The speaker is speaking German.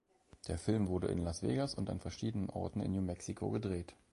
Der Film wurde in Las Vegas und an verschiedenen Orten in New Mexico gedreht.